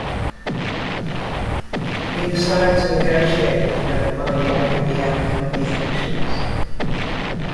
He decided to negotiate with Philip while he awaited the outcome of the elections.